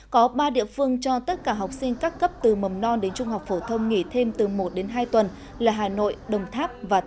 có ba địa phương cho tất cả học sinh các cấp từ mầm non đến trung học phổ thông nghỉ thêm từ một đến hai tuần là hà nội đồng tháp và tp hà nội